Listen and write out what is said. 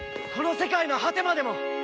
この世界の果てまでも！